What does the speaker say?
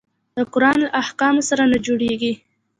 د قرآن له احکامو سره نه جوړیږي.